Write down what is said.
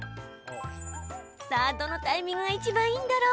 さあどのタイミングが一番いいんだろう？